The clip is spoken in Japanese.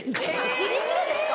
自力なんですか？